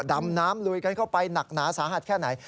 ดำน้ำลุยกันเข้าไปหนักหนาสาหัสแค่ไหน